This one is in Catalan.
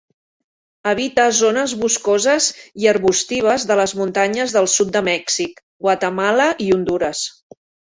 Habita zones boscoses i arbustives de les muntanyes del sud de Mèxic, Guatemala i Hondures.